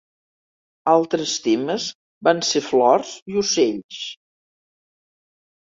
Altres temes van ser flors i ocells.